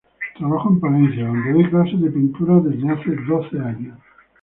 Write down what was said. Trabajo en Palencia, donde doy clases de pintura desde hace doce años.